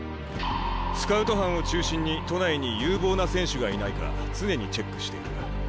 スカウト班を中心に都内に有望な選手がいないか常にチェックしている。